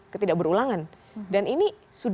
ketidak berulangan dan ini